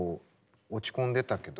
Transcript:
落ち込んでたけど。